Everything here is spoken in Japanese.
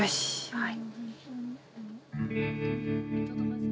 はい。